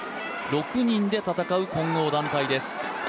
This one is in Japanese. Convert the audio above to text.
６人で戦う混合団体です。